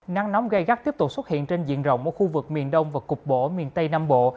nắng nóng gây gắt tiếp tục xuất hiện trên diện rộng ở khu vực miền đông và cục bộ miền tây nam bộ